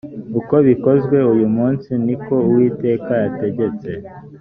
uko bikozwe uyu munsi ni ko uwiteka yategetse